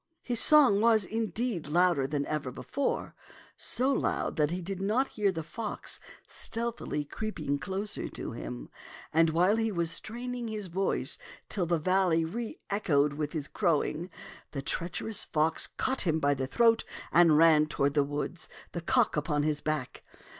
His song was, indeed, louder than ever before, so loud that he did not hear the fox stealthily creeping closer to him. And while he was straining his voice till the valley reechoed with his crowing, the treacherous fox caught him by the throat and ran toward the woods, the cock upon his back.